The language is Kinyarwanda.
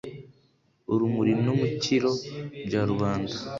urumuri n'umukiro bya rubanda.